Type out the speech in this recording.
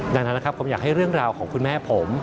ดังนั้นนะครับผมอยากให้เรื่องราวของคุณแม่ผม